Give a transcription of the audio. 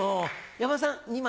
山田さん２枚。